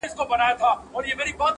د طالع ستوری یې پټ دی بخت یې تور دی،